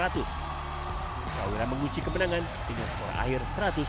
trawira mengunci kemenangan dengan skor akhir satu ratus delapan puluh dua